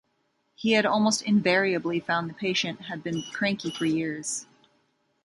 He had almost invariably found the patient had been cranky for years.